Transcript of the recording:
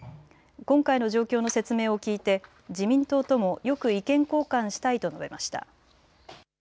今回の状況の説明を聞いて自民党ともよく意見交換したいと述べました。